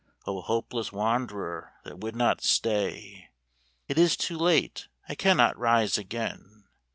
O hopeless wanderer that would not stay, ("It is too late, I cannot rise again!")